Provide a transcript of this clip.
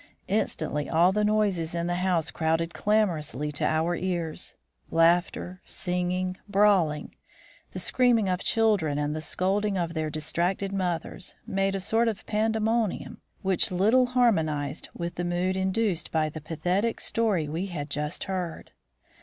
Instantly all the noises in the house crowded clamorously to our ears. Laughter, singing, brawling, the screaming of children and the scolding of their distracted mothers, made a sort of pandemonium, which little harmonised with the mood induced by the pathetic story we had just heard.